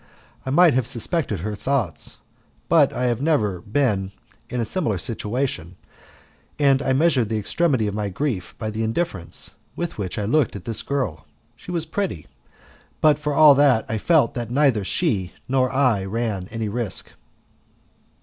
I might have suspected her thoughts, but I had never been in a similar situation, and I measured the extremity of my grief by the indifference with which I looked at this girl; she was pretty, but for all that I felt that neither she nor I ran any risk.